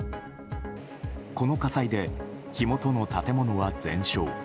この火災で火元の建物は全焼。